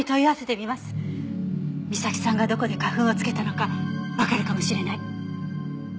みさきさんがどこで花粉をつけたのかわかるかもしれない。